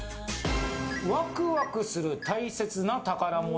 わくわくする大切な宝物。